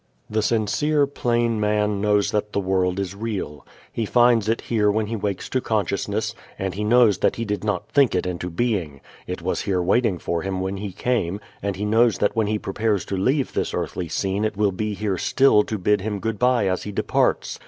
The sincere plain man knows that the world is real. He finds it here when he wakes to consciousness, and he knows that he did not think it into being. It was here waiting for him when he came, and he knows that when he prepares to leave this earthly scene it will be here still to bid him good bye as he departs.